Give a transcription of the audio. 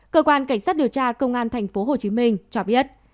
cơ quan cảnh sát điều tra công an tp hcm cho biết